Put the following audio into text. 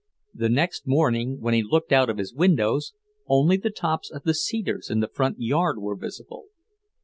The next morning, when he looked out of his windows, only the tops of the cedars in the front yard were visible.